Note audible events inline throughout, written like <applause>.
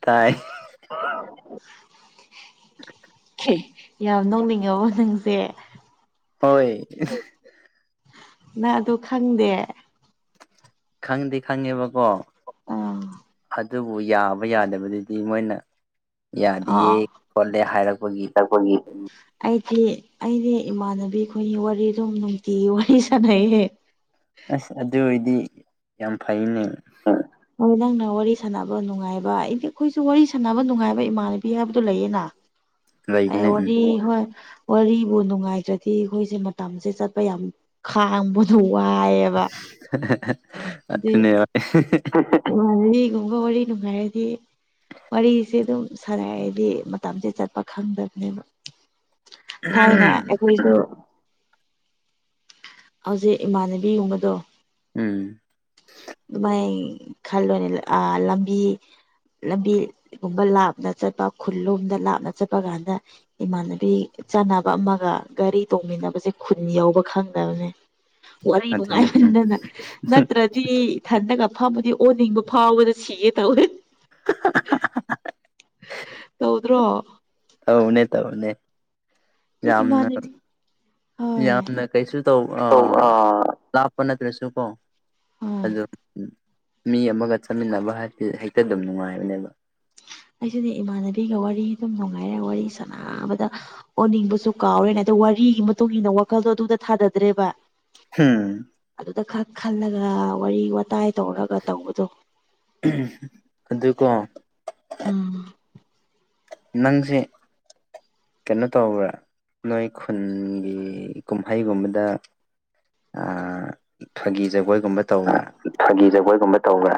ꯇꯥꯏ <unintelligible> ꯍ‌ꯦ ꯌꯥꯝ ꯅꯣꯡꯅꯤꯡꯉꯕꯣ ꯅꯪꯖꯦ ꯍꯣꯏ ꯅ ꯑꯗꯨ ꯈꯪꯗꯦ ꯈꯪꯗꯤ ꯈꯪꯉꯦꯕꯀꯣ ꯑ ꯑꯗꯨꯕꯨ ꯌꯥꯕ ꯌꯥꯗꯕꯗꯨꯗꯤ ꯃꯣꯏꯅ ꯌꯥꯗꯤꯌꯦ ꯈꯣꯠꯂꯦ ꯍꯥꯏꯔꯛꯄꯒꯤ ꯔꯛꯄꯒꯤ ꯑꯩꯗꯤ ꯑꯩꯗꯤ ꯏꯃꯥꯟꯅꯕꯤ ꯈꯣꯏ ꯋꯥꯔꯤ ꯗꯨꯝ ꯅꯨꯡꯇꯤꯒꯤ ꯋꯥꯔꯤ ꯁꯥꯟꯅꯩꯍ‌ꯦ ꯑꯁ ꯑꯗꯨ ꯑꯣꯏꯗꯤ ꯌꯥꯝ ꯐꯩꯅꯦ <unintelligible> ꯍꯣꯏ ꯅꯪꯅ ꯋꯥꯔꯤ ꯁꯥꯅꯕ ꯅꯨꯡꯉꯥꯏꯕ ꯑꯩꯗꯤ ꯑꯈꯣꯏꯁꯨ ꯋꯥꯔꯤ ꯁꯥꯥꯟꯅꯕ ꯅꯨꯡꯉꯥꯏꯕ ꯏꯃꯥꯟꯅꯕꯤ ꯍꯥꯏꯕꯗꯨ ꯂꯩꯌꯦꯅꯥ ꯑꯩ ꯂꯩꯕꯅꯦ ꯎꯝ ꯋꯥꯔꯤ ꯍꯣꯏ ꯋꯥꯔꯤꯕꯨ ꯅꯨꯡꯉꯥꯏꯇ꯭ꯔꯗꯤ ꯈꯣꯏꯖ‌ꯦ ꯃꯇꯝꯖ‌ꯦ ꯆꯠꯄ ꯌꯥꯝ ꯇꯥꯝꯕꯗꯣ ꯋꯥꯏꯌ‌ꯦꯕ ꯑꯗꯤ <unintelligible> <unintelligible> ꯋꯥꯔꯤꯒꯨꯝꯕ ꯋꯥꯔꯤ ꯅꯨꯡꯉꯥꯏꯔꯗꯤ ꯋꯥꯔꯤꯁ‌ꯦ ꯗꯨꯝ ꯁꯥꯟꯅꯔꯗꯤ ꯃꯇꯝꯖ‌ꯦ ꯆꯠꯄ ꯈꯪꯗꯕꯅꯦꯕ ꯊꯥꯏꯅ ꯑꯩ <unintelligible> ꯍꯧꯖꯤꯛ ꯏꯃꯥꯟꯅꯕꯤ ꯒꯨꯝꯕꯗꯣ ꯎꯝ ꯗꯨꯃꯥꯏ ꯈꯜꯂꯣꯅꯦ ꯂ ꯑꯥ ꯂꯝꯕꯤ ꯂꯝꯕꯤ ꯒꯨꯝꯕ ꯂꯥꯞꯅ ꯆꯠꯄ ꯈꯨꯜ ꯂꯣꯝꯗ ꯂꯥꯞꯅ ꯆꯠꯄ ꯒꯥꯟꯗ ꯏꯃꯥꯟꯅꯕꯤ ꯆꯥꯟꯅꯕ ꯑꯃꯥꯒ ꯒꯥꯔꯤ ꯇꯣꯡꯃꯤꯟꯅꯕꯖꯦ ꯈꯨꯟ ꯌꯧꯕ ꯈꯪꯗꯕꯅꯦ ꯋꯥꯔꯤ ꯑꯗꯨꯅꯦ ꯎꯝ ꯅꯨꯡꯉꯥꯏꯃꯟꯗꯅ ꯅꯠꯇ꯭ꯔꯗꯤ ꯊꯟꯗꯒ ꯐꯝꯃꯗꯤ ꯑꯣꯅꯤꯡꯕ ꯐꯥꯎꯕꯗ ꯁꯤꯒꯦ ꯇꯧꯋꯦ <unintelligible> ꯇꯧꯗ꯭ꯔꯣ ꯇꯧꯕꯅꯦ ꯇꯧꯕꯅꯦ ꯌꯥꯝꯅ ꯏꯃꯥꯟꯅꯕꯤ ꯍꯣꯏ ꯌꯥꯝꯅ ꯀꯩꯁꯨ ꯇꯧ ꯑꯥ ꯂꯥꯞꯄ ꯅꯠꯇ꯭ꯔꯁꯨ ꯀꯣ ꯍꯣꯏ ꯑꯗꯨꯝ ꯃꯤ ꯑꯃꯥꯒ ꯆꯠꯃꯤꯟꯅꯕ ꯍꯥꯏꯖꯦ ꯍꯦꯛꯇ ꯗꯨꯝ ꯅꯨꯡꯉꯥꯏꯕꯅꯦꯕ ꯑꯩꯁꯨꯅꯦ ꯏꯃꯥꯟꯅꯕꯤꯒ ꯋꯥꯔꯤ ꯗꯨꯝ ꯅꯨꯡꯉꯥꯏꯔ ꯋꯥꯔꯤ ꯁꯥꯅꯕꯗ ꯑꯣꯅꯤꯡꯕꯁꯨ ꯀꯥꯎꯔꯦꯅꯦ ꯑꯗꯣ ꯋꯥꯔꯤꯒꯤ ꯃꯇꯨꯡ ꯏꯟꯅ ꯋꯥꯈꯜꯗꯣ ꯑꯗꯨꯗ ꯊꯥꯗꯗ꯭ꯔꯦꯕꯥ ꯍꯨꯝ ꯑꯗꯨꯗ ꯈꯛ ꯈꯜꯂꯒ ꯋꯥꯔꯤ ꯋꯇꯥꯏ ꯇꯧꯔꯒ ꯇꯧꯕꯗꯣ ꯑꯗꯨꯀꯣ ꯎꯝ ꯅꯪꯁꯦ ꯀꯦꯅꯣ ꯇꯧꯕ꯭ꯔꯥ ꯅꯣꯏ ꯈꯨꯟꯒꯤ ꯀꯨꯝ ꯍꯩꯒꯨꯝꯕꯗ ꯑꯥ ꯐꯒꯤ ꯖꯒꯣꯏꯒꯨꯝꯕ ꯇꯧꯕ꯭ꯔꯥ ꯐꯒꯤ ꯖꯒꯣꯏꯒꯨꯝꯕ ꯇꯧꯕ꯭ꯔꯥ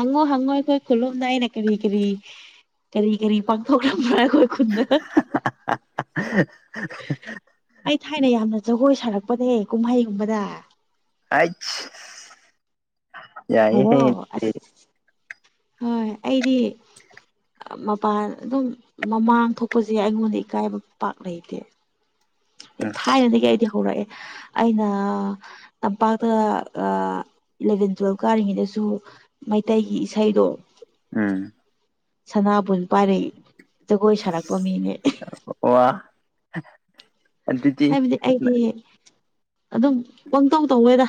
ꯍꯪꯉꯣ ꯍꯪꯉꯣ ꯑꯩꯈꯣꯏ ꯈꯨꯂꯣꯝꯗ ꯑꯩ ꯅ ꯀꯔꯤ ꯀꯔꯤ ꯀꯔꯤ ꯀꯔꯤ ꯄꯥꯡꯊꯣꯛꯂꯝꯕ꯭ꯔꯥ ꯑꯈꯣꯏ ꯈꯨꯟꯗ <unintelligible> ꯑꯩ ꯊꯥꯏꯅ ꯌꯥꯝꯅ ꯖꯒꯣꯏ ꯁꯥꯔꯛꯄꯅꯦ ꯀꯨꯝꯍꯩꯒꯨꯝꯕꯗ ꯑꯩꯠꯆ ꯌꯥꯏ ꯍꯦ ꯍꯜꯂꯣ ꯑꯁ ꯑꯗꯨꯗꯤ ꯍꯣꯏ ꯑꯩꯗꯤ ꯃꯄꯥꯟ ꯑꯗꯨꯝ ꯃꯃꯥꯡ ꯊꯣꯛꯄꯁꯦ ꯑꯩꯉꯣꯟꯗ ꯏꯀꯥꯏꯕ ꯄꯥꯛ ꯂꯩꯇꯦ ꯊꯥꯏꯅꯗꯒꯤ ꯑꯩꯗꯤ ꯍꯧꯔꯛꯑꯦ ꯑꯩꯅ ꯇꯝꯄꯥꯛꯇ ꯏꯂꯚꯦꯟ ꯇꯨꯋꯦꯜꯐ ꯀꯥꯔꯤꯉꯩꯗꯁꯨ ꯃꯩꯇꯩꯒꯤ ꯏꯁꯩꯗꯣ ꯎꯝ ꯁꯅꯥꯕꯨꯟ ꯄꯥꯏꯔ ꯖꯒꯣꯏ ꯁꯥꯔꯛꯄ ꯃꯤꯅꯦ ꯑꯣ ꯍꯥꯏꯕꯗꯤ ꯑꯩꯗꯤ ꯑꯗꯨꯝ ꯄꯪꯇꯧ ꯇꯧꯋꯦꯗ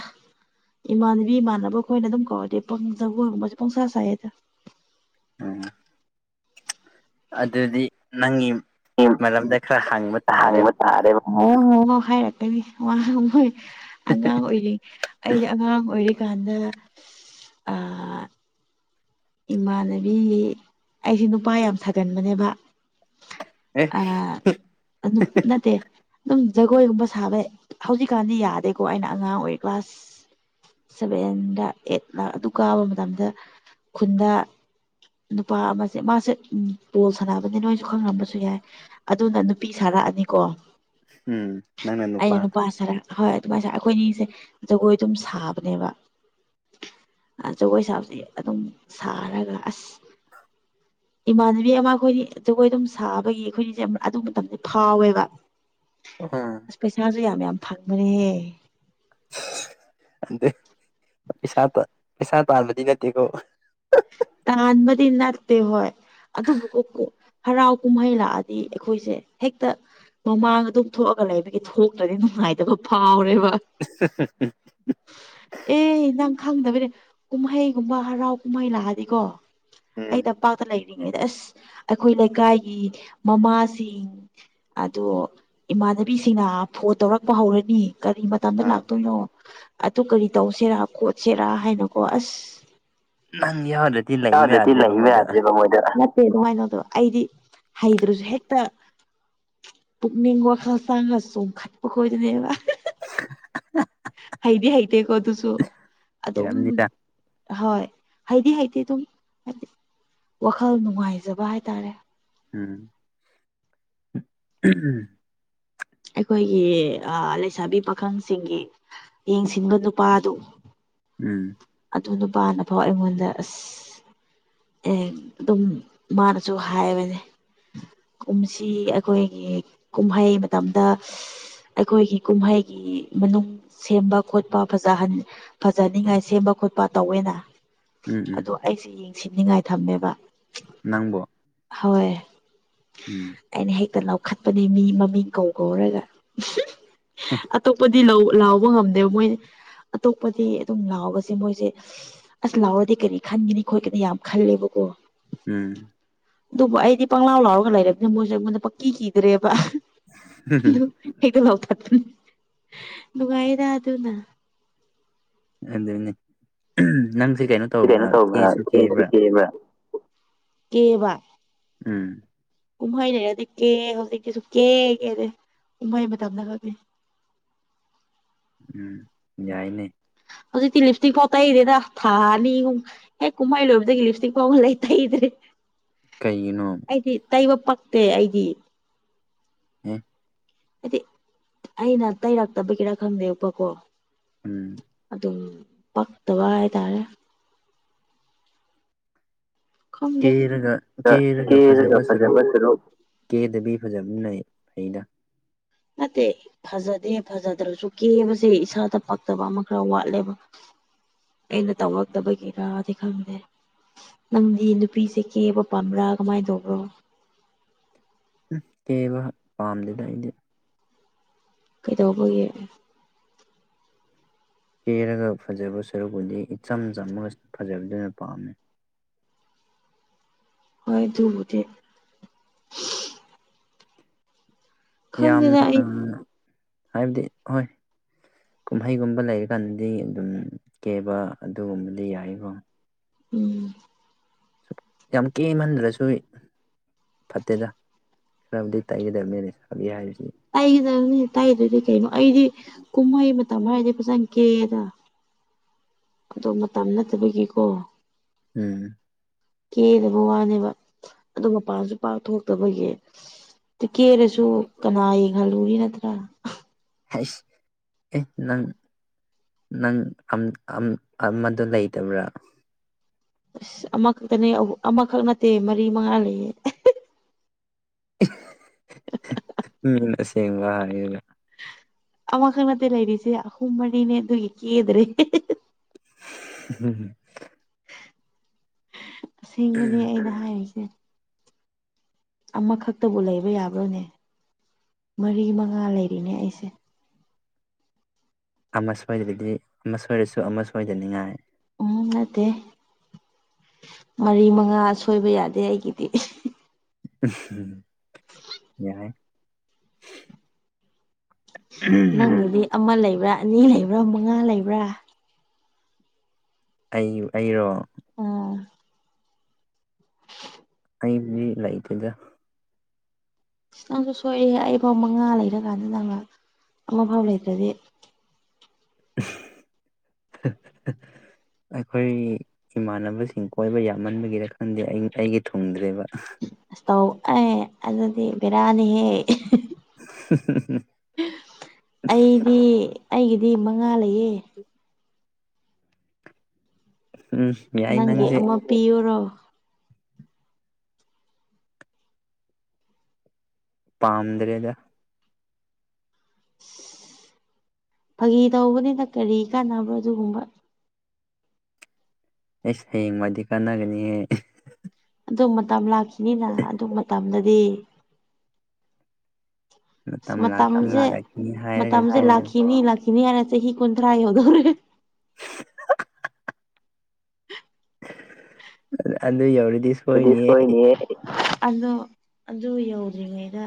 ꯏꯃꯥꯟꯅꯕꯤ ꯏꯃꯥꯟꯅꯕ ꯈꯣ ꯏꯅ ꯑꯗꯨꯝ ꯀꯧꯔꯗꯤ ꯄꯨꯡ ꯖꯒꯣꯏꯒꯨꯝꯕꯁꯦ ꯄꯪꯁꯥ ꯁꯥꯏꯌꯦꯗ ꯎꯝ ꯑꯗꯨꯗꯤ ꯅꯪꯒꯤ ꯃꯔꯝꯗ ꯈꯔ ꯍꯪꯕ ꯇꯥꯔꯦꯕ ꯍꯪꯕ ꯇꯥꯔꯦꯕ ꯑꯣ ꯍꯣ ꯍꯥꯏꯔꯛꯀꯅꯤ ꯋꯥ ꯃꯣꯏ ꯑꯉꯥꯡ ꯑꯣꯏꯔꯤ ꯑꯩꯗꯤ ꯑꯉꯥꯡ ꯑꯣꯏꯔꯤꯀꯥꯟꯗ ꯑꯥ ꯏꯃꯥꯟꯅꯕꯤ ꯑꯩꯁꯤ ꯅꯨꯄꯥ ꯌꯥꯝ ꯁꯥꯒꯟꯕꯅꯦꯕ ꯑꯦ ꯑꯥ ꯑꯗꯨꯝ ꯅꯠꯇꯦ ꯑꯗꯨꯝ ꯖꯒꯣꯏꯒꯨꯝꯕ ꯁꯥꯕꯩ ꯍꯧꯖꯤꯛꯀꯥꯟꯗꯤ ꯌꯥꯗꯦꯀꯣ ꯑꯩꯅ ꯑꯉꯥꯡ ꯑꯣꯏꯔꯤ ꯀ꯭ꯂꯥꯁ ꯁꯚꯦꯟꯗ ꯑꯩꯠ ꯂꯥ ꯑꯗꯨ ꯀꯥꯕ ꯃꯇꯝꯗ ꯈꯨꯟꯗ ꯅꯨꯄꯥ ꯑꯃꯁꯦ ꯃꯥꯁꯦ ꯕꯣꯜ ꯁꯥꯟꯅꯕꯅꯦ ꯅꯣꯏꯁꯨ ꯈꯪꯂꯝꯕꯁꯨ ꯌꯥꯏ ꯑꯗꯨꯅ ꯅꯨꯄꯤ ꯁꯥꯔꯛꯑꯅꯤ ꯀꯣ ꯎꯝ ꯅꯪꯅ ꯑꯩꯅ ꯅꯨꯄꯥ ꯁꯥꯔꯛ ꯍꯣꯏ ꯑꯗꯨꯃꯥꯏ ꯁꯥ ꯑꯈꯣꯏꯅꯤꯁꯦ ꯖꯒꯣꯏ ꯑꯗꯨꯝ ꯁꯥꯕꯅꯦꯕ ꯖꯒꯣꯏ ꯁꯥꯕꯁꯤ ꯑꯗꯨꯝ ꯁꯥꯔꯒ ꯑꯁ ꯏꯃꯥꯟꯅꯕꯤ ꯑꯃ ꯑꯩꯈꯣꯏꯅꯤ ꯖꯒꯣꯏ ꯑꯗꯨꯝ ꯁꯥꯕꯒꯤ ꯑꯩꯈꯣꯏꯅꯤꯁꯦ ꯑꯗꯨ ꯃꯇꯝꯗ ꯐꯥꯎꯋꯦꯕ ꯑꯝ ꯄꯩꯁꯥꯁꯨ ꯌꯥꯝ ꯌꯥꯝ ꯐꯪꯕꯅꯤꯍꯦ ꯗꯦ ꯄꯩꯁꯥꯗ ꯄꯩꯁꯥ ꯇꯥꯟꯕꯗꯤ ꯅꯠꯇꯦ ꯀꯣ ꯇꯥꯟꯕꯗꯤ ꯅꯠꯇꯦ ꯍꯣꯏ ꯑꯗꯨꯕꯨ ꯀꯣ ꯀꯣ ꯍꯔꯥꯎ ꯀꯨꯝꯍꯩ ꯂꯥꯛꯑꯗꯤ ꯑꯩꯈꯣꯏꯁꯦ ꯍꯦꯛꯇ ꯃꯃꯥꯡ ꯑꯗꯨꯝ ꯊꯣꯛꯑꯒ ꯂꯩꯕꯒꯤ ꯊꯣꯛꯇ꯭ꯔꯗꯤ ꯅꯨꯡꯉꯥꯏꯇꯕ ꯐꯥꯎꯔꯦꯕ <unintelligible> ꯑꯦ ꯅꯪ ꯈꯪꯗꯕꯩꯅꯦ ꯀꯨꯝꯍꯩꯒꯨꯝꯕ ꯍꯔꯥꯎ ꯀꯨꯝꯍꯩ ꯂꯥꯛꯑꯗꯤ ꯀꯣ ꯎꯝ ꯑꯩꯗꯣ ꯄꯥꯛꯇ ꯂꯩꯔꯤꯉꯩꯗ ꯑꯁ ꯑꯩꯈꯣꯏ ꯂꯩꯀꯥꯏꯒꯤ ꯃꯃꯥꯁꯤꯡ ꯑꯗꯣ ꯏꯃꯥꯟꯅꯕꯤꯁꯤꯡꯅ ꯐꯣꯟ ꯇꯧꯔꯛꯄ ꯍꯧꯔꯅꯤ ꯀꯔꯤ ꯃꯇꯝꯗ ꯑꯥ ꯂꯥꯛꯇꯣꯏꯅꯣ ꯑꯗꯨ ꯀꯔꯤ ꯇꯧꯁꯤꯔ ꯈꯣꯠꯁꯤꯔ ꯍꯥꯏꯅ ꯀꯣ ꯑꯁ ꯅꯪ ꯌꯥꯎꯗ꯭ꯔ ꯌꯥꯎꯗ꯭ꯔꯗꯤ ꯂꯩꯕ ꯌꯥꯗ꯭ꯔꯦꯕ ꯃꯣꯢꯗꯨ ꯅꯠꯇꯦ ꯑꯗꯨꯃꯥꯏ ꯑꯩꯗꯤ ꯍꯩꯇ꯭ꯔꯁꯨ ꯍꯦꯛꯇ ꯄꯨꯛꯅꯤꯡ ꯋꯥꯈꯜ ꯆꯥꯡꯉ ꯆꯣꯡꯈꯠꯄ ꯈꯣꯏꯗꯨꯅꯦꯕ ꯍꯩꯗꯤ ꯍꯩꯇꯦ ꯀꯣ ꯑꯗꯨꯁꯨ ꯑꯗꯨꯝ ꯂꯩꯔꯝꯅꯤꯗ ꯍꯣꯏ ꯍꯩꯗꯤ ꯍꯩꯇꯦ ꯑꯗꯨꯝ ꯍꯥꯏꯗꯤ ꯋꯥꯈꯜ ꯅꯨꯡꯉꯥꯏꯖꯕ ꯍꯥꯏꯇꯥꯔꯦ ꯎꯝ ꯑꯩꯈꯣꯏꯒꯤ ꯑꯥ ꯂꯩꯁꯥꯕꯤ ꯄꯥꯈꯪꯁꯤꯡꯒꯤ ꯌꯦꯡꯁꯤꯟꯕ ꯅꯨꯄꯥꯗꯨ ꯎꯝ ꯑꯗꯨ ꯅꯨꯄꯥꯅꯐꯥꯎ ꯑꯩꯉꯣꯟꯗ ꯑꯁ ꯑꯦꯛ ꯑꯗꯨꯝ ꯃꯥꯅꯁꯨ ꯍꯥꯏꯕꯅꯤ ꯀꯨꯝꯁꯤ ꯑꯩꯈꯣꯏꯒꯤ ꯀꯨꯝꯍꯩ ꯃꯇꯝꯗ ꯑꯩꯈꯣꯏꯒꯤ ꯀꯨꯝꯍꯩꯒꯤ ꯃꯅꯨꯡ ꯁꯦꯝꯕ ꯈꯣꯠꯄ ꯐꯖꯍꯟ ꯐꯖꯍꯅꯤꯡꯉꯥꯏ ꯁꯦꯝꯕ ꯈꯣꯠꯄ ꯇꯧꯋꯦꯅ ꯎꯝ ꯎꯝ ꯑꯩꯁꯨ ꯌꯦꯡꯁꯤꯟꯅꯤꯡꯉꯥꯏ ꯊꯝꯃꯦꯕ ꯅꯪꯕꯣ ꯍꯣꯏ ꯎꯝ ꯑꯩꯅ ꯍꯦꯛꯇ ꯂꯥꯎꯈꯠꯄꯅꯤ ꯃꯤ ꯃꯃꯤꯡ ꯀꯧ ꯀꯧꯔꯒ <unintelligible> ꯑꯇꯣꯞꯄ ꯗꯤ ꯂꯧ ꯂꯥꯎꯕ ꯉꯝꯗꯦꯕ ꯃꯣꯏꯅꯤ ꯑꯇꯣꯞꯄꯗꯤ ꯑꯗꯨꯝ ꯂꯥꯎꯕ ꯁꯦ ꯃꯣꯏꯖꯦ ꯑꯁ ꯂꯥꯎꯔꯗꯤ ꯀꯔꯤ ꯈꯟꯒꯅꯤ ꯈꯣꯠꯀꯅꯤ ꯌꯥꯝ ꯈꯜꯂꯦꯕꯀꯣ ꯎꯝ ꯑꯗꯨꯕꯨ ꯑꯩꯗꯤ ꯄꯪꯂꯥꯎ ꯂꯥꯎꯔꯒ ꯂꯩꯔꯕꯅꯤꯅ ꯃꯣꯏꯖꯨ ꯑꯩꯉꯣꯟꯗ ꯄꯛꯀꯤ ꯀꯤꯗ꯭ꯔꯦꯕ ꯑꯗꯨ ꯍꯦꯛꯇ ꯂꯥꯎꯊꯠꯄꯅꯤ ꯅꯨꯡꯉꯥꯏꯌ‌ꯦꯗ ꯑꯗꯨꯅ ꯑꯗꯨꯅꯤ ꯅꯪꯖꯦ ꯀꯩꯅꯣ ꯁꯤ ꯀꯩꯅꯣ ꯇꯧꯕꯅ ꯀꯦꯁꯨ ꯀꯦꯕ꯭ꯔꯥ ꯀꯦꯕꯥ ꯎꯝ ꯀꯨꯝꯍꯩ ꯂꯩꯔꯗꯤ ꯀꯦ ꯍꯧꯖꯤꯛꯇꯤ ꯁꯨꯀꯦ ꯀꯦꯗꯦ ꯀꯨꯝꯍꯩ ꯃꯇꯝꯗ ꯈꯛꯅꯤ ꯎꯝ ꯌꯥꯏꯅꯦ ꯍꯧꯖꯤꯛꯇꯤ ꯂꯤꯞꯁꯇꯤꯛ ꯐꯥꯎ ꯇꯩꯗꯦꯗꯥ ꯊꯥ ꯑꯅꯤ ꯍꯨꯝ ꯍꯦꯛ ꯀꯨꯝꯍꯩ ꯂꯣꯏꯕꯗꯒꯤ ꯂꯤꯞꯁꯇꯤꯛ ꯐꯥꯎ ꯂꯩ ꯇꯩꯗ꯭ꯔꯦ ꯀꯩꯒꯤꯅꯣ ꯑꯩꯗꯤ ꯇꯩꯕ ꯄꯛꯇꯦ ꯑꯩꯗꯤ ꯍꯨꯝ ꯍꯥꯏꯗꯤꯛ ꯑꯩꯅ ꯇꯩꯔꯛꯇꯕꯒꯤꯔ ꯈꯪꯗꯦꯕꯀꯣ ꯎꯝ ꯑꯗꯨꯝ ꯄꯛꯇꯕ ꯍꯥꯏꯇꯥꯔꯦ ꯈꯪꯗꯦ ꯀꯦꯔꯒ ꯀꯦꯔꯒ ꯐꯖꯕ ꯁꯔꯨꯛ ꯀꯦꯗꯕꯤ ꯐꯖꯕꯤꯅꯤꯅ ꯍ‌ꯦ ꯐꯩꯗꯥ ꯅꯠꯇꯦ ꯐꯖꯗꯦ ꯐꯖꯗ꯭ꯔꯖꯨ ꯀꯦꯕꯖꯦ ꯏꯁꯥꯗ ꯄꯛꯇꯕ ꯑꯃ ꯈꯔ ꯋꯥꯠꯂꯦꯕ ꯑꯩꯅ ꯇꯧꯔꯛꯇꯕꯒꯤꯔꯥꯗꯤ ꯈꯪꯗꯦ ꯅꯪꯗꯤ ꯅꯨꯄꯤꯁ‌ꯦ ꯀꯦꯕ ꯄꯥꯝꯕ꯭ꯔꯥ ꯀꯃꯥꯏ ꯇꯧꯕ꯭ꯔꯣ ꯎꯝ ꯀꯦꯕ ꯄꯥꯝꯗꯦꯗ ꯑꯩꯗꯤ ꯀꯩꯗꯧꯕꯒꯤ ꯀꯦꯔꯒ ꯐꯖꯕ ꯁꯔꯨꯛꯄꯨꯗꯤ ꯏꯆꯝ ꯆꯝꯃꯒ ꯐꯖꯕꯗꯨꯅ ꯄꯥꯝꯃꯤ ꯍꯣꯏ ꯗꯨꯕꯨꯗꯤ ꯌꯥꯝꯅ ꯈꯪꯗꯦꯗ ꯑꯩ ꯍꯥꯏꯕꯗꯤ ꯍꯣꯏ ꯀꯨꯝꯍꯩꯒꯨꯝꯕ ꯂꯩꯔꯀꯥꯟꯗꯗꯤ ꯑꯗꯨꯝ ꯀꯦꯕ ꯑꯗꯨꯒꯨꯝꯕꯗꯤ ꯌꯥꯏꯒꯣ ꯎꯝ ꯌꯥꯝ ꯀꯦꯃꯟꯗ꯭ꯔꯁꯨꯏ ꯐꯠꯇꯦꯗꯥ ꯈꯔꯕꯨꯗꯤ ꯇꯩꯒꯗꯕꯅꯤꯅ‌ꯦ ꯁꯥꯕꯤ ꯍꯥꯏꯕꯁꯤꯗꯤ ꯇꯩꯒꯗꯝꯅꯤ ꯇꯩꯗ꯭ꯔꯗꯤ ꯀꯩꯅꯣ ꯑꯩꯗꯤ ꯀꯨꯝꯍꯩ ꯃꯇꯝ ꯍꯥꯏꯔꯗꯤ ꯐꯖꯅ ꯀꯦꯗꯥ ꯑꯗꯣ ꯃꯇꯝ ꯅꯠꯇꯕꯒꯤꯀꯣ ꯎꯝ ꯀꯦꯗꯕ ꯋꯥꯅꯦꯕꯥ ꯑꯗꯨ ꯃꯄꯥꯟꯖꯨ ꯄꯥꯛ ꯊꯣꯛꯇꯕꯒꯤ ꯇꯤ ꯀꯦꯔꯁꯨ ꯀꯅꯥ ꯌꯦꯡꯍꯜꯂꯨꯅꯤ ꯅꯠꯇ꯭ꯔꯥ ꯍꯥꯏꯁ ꯑꯦ ꯅꯪ ꯅꯪ ꯑꯝ ꯑꯝ ꯑꯃꯗꯨ ꯂꯩꯇꯕ꯭ꯔꯥ ꯢꯁ ꯑꯃꯈꯛꯇꯅꯦ ꯑꯃꯥꯈꯛ ꯅꯠꯇꯦ ꯃꯔꯤ ꯃꯉꯥ ꯂꯩꯌꯦ <unintelligible> ꯃꯤꯅ ꯑꯁꯦꯡꯕ ꯍꯥꯏꯔꯒ ꯑꯃꯈꯛ ꯅꯠꯇꯦ ꯂꯩꯔꯤꯖꯦ ꯑꯍꯨꯝ ꯃꯔꯤꯅꯦ ꯑꯗꯨꯒꯤ ꯀꯦꯗ꯭ꯔꯦ ꯍꯦ ꯍꯦ <unintelligible> ꯑꯁꯦꯡꯕꯅꯦ ꯑꯩꯅ ꯍꯥꯏꯔꯤꯖꯦ ꯑꯃꯈꯛꯇꯕꯨ ꯂꯩꯕ ꯌꯥꯕ꯭ꯔꯣꯅꯦ ꯃꯔꯤ ꯃꯉꯥ ꯂꯩꯔꯤꯅꯦ ꯑꯩꯁꯦ ꯑꯃ ꯁꯣꯏꯗ꯭ꯔꯗꯤ ꯑꯃ ꯁꯣꯏꯔꯁꯨ ꯑꯃ ꯁꯣꯏꯗꯅꯤꯉꯥꯏ ꯎꯝ ꯅꯠꯇꯦ ꯃꯔꯤ ꯃꯉꯥ ꯁꯣꯏꯕ ꯌꯥꯗꯦ ꯑꯩꯒꯤꯗꯤ ꯎꯝꯍꯨꯝ ꯌꯥꯏ ꯅꯪꯗꯨꯗꯤ ꯑꯃ ꯂꯩꯕ꯭ꯔꯥ ꯑꯅꯤ ꯂꯩꯕ꯭ꯔꯥ ꯃꯉꯥ ꯂꯩꯕ꯭ꯔꯥ ꯑꯩ ꯑꯩꯔꯣ ꯑꯥ ꯑꯩꯗꯤ ꯂꯩꯥꯇꯦꯗ ꯑꯁ ꯅꯪꯁꯨ ꯁꯣꯏ ꯑꯩꯐꯥꯎ ꯃꯉꯥ ꯂꯩꯔꯀꯥꯟꯗ ꯅꯪꯅ ꯑꯃꯐꯥꯎ ꯂꯩꯇ꯭ꯔꯗꯤ ꯑꯍꯨ ꯍꯥꯍꯥ ꯑꯩꯈꯣꯏ ꯏꯃꯥꯟꯅꯕꯁꯤꯡ ꯀꯣꯏꯕ ꯌꯥꯝꯃꯟꯕꯒꯤꯔ ꯈꯪꯗꯦ ꯑꯩ ꯑꯩꯒꯤ ꯊꯨꯡꯗ꯭ꯔꯦꯕ ꯏꯁꯇꯧ ꯑꯦ ꯑꯗꯨꯗꯤ ꯕꯦꯔꯅꯤꯍꯦ <unintelligible> ꯑꯩꯗꯤ ꯑꯩꯒꯤꯗꯤ ꯃꯉꯥ ꯂꯩꯌꯦ <inaudible> ꯎꯝ ꯌꯥꯏ ꯅꯪꯒꯤ ꯅꯪꯁꯦ ꯑꯃ ꯄꯤꯌꯨꯔꯣ ꯄꯥꯝꯗ꯭ꯔꯦꯗ ꯐꯥꯒꯤ ꯇꯧꯕꯅꯤꯕ ꯀꯔꯤ ꯀꯥꯟꯅꯕ ꯑꯗꯨꯒꯨꯝꯕ ꯑꯩꯁ ꯍꯌꯦꯡꯋꯥꯏꯗꯤ ꯀꯥꯟꯅꯒꯅꯤꯍꯦ ꯑꯗꯨ ꯃꯇꯝ ꯂꯥꯛꯈꯤꯅꯤꯅ ꯑꯗꯨ ꯃꯇꯝꯗꯗꯤ ꯃꯇꯝ ꯂꯥꯛꯈꯤꯅꯤ ꯃꯇꯝꯖꯦ ꯂꯥꯛꯈꯤꯅꯤ ꯃꯇꯝꯖꯦ ꯍꯥꯏꯔꯒꯀꯣ ꯂꯥꯛꯈꯤꯅꯤ ꯂꯥꯛꯈꯤꯅꯤ ꯍꯥꯏꯔ ꯆꯍꯤ ꯀꯨꯟꯊ꯭ꯔꯥ ꯌꯧꯗꯧꯔꯦ <unintelligible> <unintelligible> ꯑꯗꯨꯗꯤ ꯁꯣꯏꯅꯤꯍꯦ ꯑꯗꯣ ꯑꯗꯨ ꯌꯧꯗ꯭ꯔꯤꯉꯩꯗ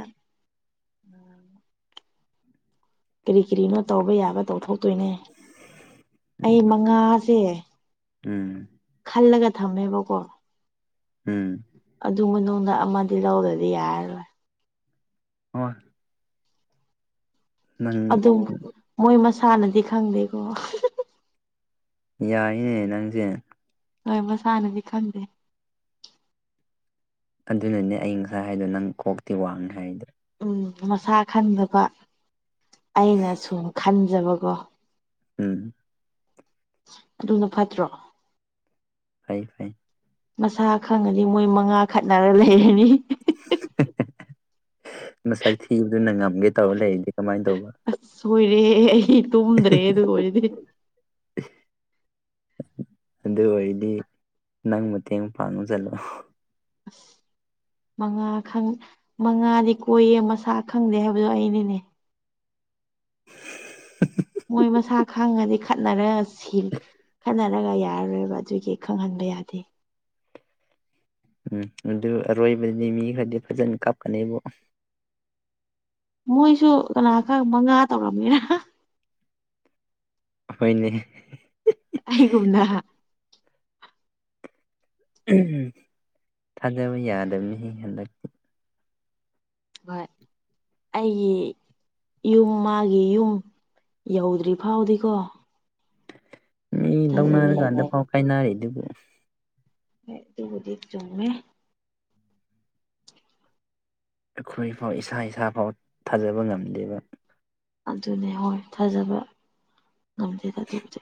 ꯀꯔꯤ ꯀꯔꯤꯅꯣ ꯇꯧꯕ ꯌꯥꯕ ꯇꯧꯊꯣꯛꯇꯣꯏꯅꯦ ꯑꯩ ꯃꯉꯥꯁꯦ ꯎꯝ ꯈꯜꯂꯒ ꯊꯝꯃꯦꯕꯀꯣ ꯎꯝ ꯑꯗꯨ ꯃꯅꯨꯡꯗ ꯑꯃꯗꯤ ꯂꯧꯗ꯭ꯔꯗꯤ ꯌꯥꯔꯔꯣꯏ ꯍꯣꯏ ꯑꯗꯨꯝ ꯃꯣꯏ ꯃꯁꯥꯅꯗꯤ ꯈꯪꯗꯦꯀꯣ ꯌꯥꯏꯅꯦ ꯅꯪꯖꯦ ꯍꯣꯏ ꯃꯁꯥꯅꯗꯤ ꯈꯪꯗꯦ ꯑꯗꯨꯅꯅꯦ ꯑꯩ ꯉꯁꯥꯏ ꯍꯥꯏꯗꯣ ꯅꯪ ꯀꯣꯛꯇꯤ ꯋꯥꯡꯉꯦ ꯍꯥꯏꯗꯣ ꯎꯝ ꯃꯁꯥ ꯈꯟꯗꯕ ꯑꯩꯅ ꯁꯨꯝ ꯈꯟꯖꯕꯀꯣ ꯎꯝ ꯑꯗꯨꯅ ꯐꯠꯇ꯭ꯔꯣ ꯐꯩ ꯐꯩ ꯃꯁꯥ ꯈꯪꯉꯗꯤ ꯃꯣꯏ ꯃꯉꯥ ꯈꯠꯅꯔ ꯂꯩꯔꯅꯤ <unintelligible> ꯅꯁꯛ ꯊꯤꯕꯗꯨꯅ ꯉꯝꯒꯦ ꯇꯧꯔ ꯂꯩꯔꯗꯤ ꯀꯃꯥꯏꯟ ꯇꯧꯕ <unintelligible> ꯂꯣꯏꯔꯦ ꯑꯩ ꯇꯨꯝꯗ꯭ꯔꯦ ꯑꯗꯨ ꯑꯣꯏꯔꯗꯤ ꯑꯗꯨ ꯑꯣꯏꯗꯤ ꯅꯪ ꯃꯇꯦꯡ ꯄꯥꯡꯖꯜꯂꯣ <unintelligible> ꯃꯉꯥ ꯈꯪ ꯃꯉꯥꯗꯤ ꯀꯣꯏꯌꯦ ꯃꯁꯥ ꯈꯪꯗꯦ ꯍꯥꯏꯕꯗꯣ ꯑꯩꯅꯤꯅꯦ <unintelligible> ꯃꯣꯏ ꯃꯁꯥ ꯈꯪꯉꯗꯤ ꯈꯠꯅꯔ ꯁꯤ ꯈꯠꯅ ꯈꯠꯅꯔ ꯌꯥꯔꯔꯣꯏꯕ ꯑꯗꯨꯒꯤ ꯈꯪꯍꯟꯕ ꯌꯥꯗꯦ ꯎꯝ ꯑꯗꯨ ꯑꯔꯣꯏꯕꯗꯤ ꯃꯤ ꯈ꯭ꯔꯗꯤ ꯐꯖꯟ ꯀꯞꯀꯅꯤꯕꯣ ꯃꯣꯏꯁꯨ ꯀꯅꯥꯈꯪ ꯃꯉꯥ ꯇꯧꯔꯝꯒꯦꯔ ꯍꯣꯏꯅꯦ ꯑꯩꯒꯨꯝꯅ ꯎꯝ <unintelligible> ꯊꯥꯖꯕ ꯌꯥꯗꯝꯅꯤꯍꯦ ꯍꯟꯗꯛ ꯍꯣꯏ ꯑꯩꯒꯤ ꯏꯌꯨꯝ ꯃꯥꯒꯤ ꯌꯨꯝ ꯌꯧꯗ꯭ꯔꯤꯐꯥꯎꯗꯤꯀꯣ ꯃꯤ ꯂꯧꯅꯔꯀꯥꯟꯗ ꯌꯥꯗꯦ ꯐꯥꯎ ꯀꯥꯏꯅꯔꯤꯗꯨꯕꯨ ꯍꯣꯏ ꯗꯨꯕꯨꯗꯤ ꯆꯨꯝꯃꯦ ꯑꯈꯣꯏ ꯐꯥꯎ ꯏꯁꯥ ꯏꯁꯥ ꯐꯥꯎ ꯊꯥꯖꯕ ꯉꯝꯗꯦꯕ ꯑꯗꯨꯅꯦ ꯍꯣꯏ ꯊꯥꯖꯕ ꯉꯝꯗꯦꯗ ꯑꯗꯨꯕꯨꯗꯤ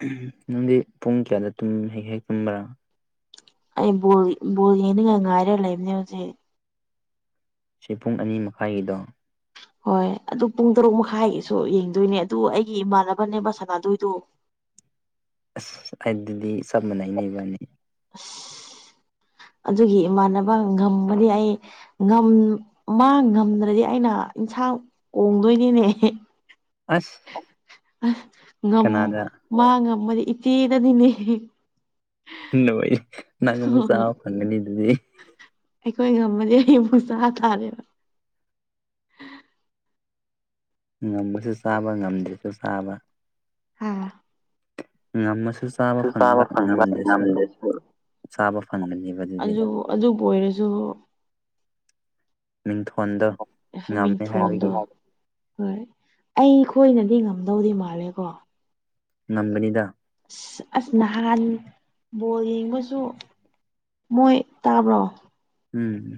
<unintelligible> ꯅꯪꯗꯤ ꯄꯨꯡ ꯀ꯭ꯌꯥꯗ ꯇꯨꯝ ꯍꯦꯛ ꯍꯦꯛ ꯇꯨꯝꯕ꯭ꯔꯥ ꯑꯩ ꯕꯣꯜ ꯕꯣꯜ ꯌꯦꯡꯅꯤꯡꯉꯥꯏ ꯉꯥꯏꯔ ꯂꯩꯕꯅꯦ ꯍꯨꯖꯤꯛ ꯁꯤ ꯄꯨꯡ ꯑꯅꯤꯃꯈꯥꯏꯒꯤꯗꯣ ꯍꯣꯏ ꯑꯗꯨ ꯄꯨꯡ ꯇꯔꯨꯛ ꯃꯈꯥꯏꯒꯤꯁꯨ ꯌꯦꯡꯗꯣꯏꯅꯦ ꯑꯗꯨ ꯑꯩꯒꯤ ꯏꯃꯥꯟꯅꯕꯅꯦꯕ ꯁꯥꯟꯅꯥꯗꯣꯏꯗꯨ ꯑꯁ ꯑꯗꯨꯗꯤ ꯆꯞ ꯃꯥꯟꯅꯩꯅꯦ ꯏꯕꯥꯅꯤ <unintelligible> ꯑꯗꯨꯒꯤ ꯏꯃꯥꯟꯅꯕ ꯉꯝꯃꯗꯤ ꯑꯩ ꯉꯝ ꯃꯥ ꯉꯝꯗ꯭ꯔꯗꯤ ꯑꯩꯅ ꯏꯟꯁꯥꯡ ꯀꯣꯡꯗꯣꯏꯅꯤꯅꯦ <unintelligible> ꯑꯁ <unintelligible> ꯉꯝ ꯀꯅꯥꯗ ꯃꯥ ꯉꯝꯃꯗꯤ ꯏꯆꯦꯗꯅꯤꯅꯦ <unintelligible> ꯁꯤꯡꯅꯕꯩ ꯅꯪ ꯑꯃꯨꯛ ꯆꯥ ꯐꯪꯒꯅꯤ ꯑꯗꯨꯗꯤ ꯑꯩꯈꯣꯏ ꯉꯝꯃꯗꯤ ꯑꯩ ꯑꯃꯨꯛ ꯆꯥ ꯇꯥꯔꯦꯅ ꯉꯝꯃꯁꯨ ꯆꯥꯕ ꯉꯝꯗ꯭ꯔꯁꯨ ꯆꯥꯕ <unintelligible> ꯉꯝꯃꯁꯨ ꯆꯥꯕ ꯐꯪꯕ ꯉꯝꯗ꯭ꯔꯁꯨ ꯆꯥꯕ ꯐꯪꯒꯅꯤꯕ ꯗꯨꯗꯤ ꯑꯗꯨ ꯑꯗꯨꯕꯨ ꯑꯣꯏꯔꯁꯨ ꯃꯤꯡꯊꯣꯟꯗꯣ ꯉꯝꯃꯦ ꯃꯤꯡꯊꯣꯟꯗꯣ ꯍꯥꯏꯕꯒꯤ ꯍꯣꯏ ꯑꯩꯈꯣꯏꯅꯗꯤ ꯉꯝꯗꯧꯗꯤ ꯃꯥꯜꯂꯦꯀꯣ ꯉꯝꯒꯅꯤꯗꯥ <unintelligible> ꯅꯥꯍꯥꯟ ꯕꯣꯜ ꯌꯦꯡꯕꯁꯨ ꯃꯣꯏ ꯇꯥꯕ꯭ꯔꯣ ꯎꯝ